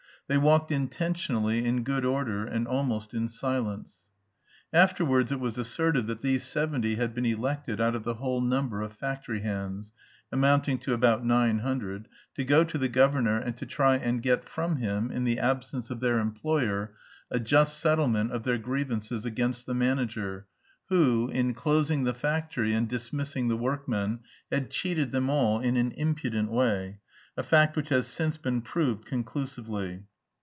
They walked intentionally in good order and almost in silence. Afterwards it was asserted that these seventy had been elected out of the whole number of factory hands, amounting to about nine hundred, to go to the governor and to try and get from him, in the absence of their employer, a just settlement of their grievances against the manager, who, in closing the factory and dismissing the workmen, had cheated them all in an impudent way a fact which has since been proved conclusively.